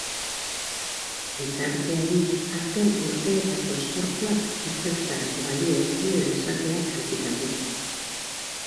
Gizarteari azken urteetako esfortzuak ezertarako balio ez duela esatea kritikatu du.